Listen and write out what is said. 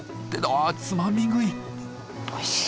あっつまみ食い！